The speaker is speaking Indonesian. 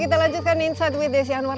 kita lanjutkan insight with desi anwar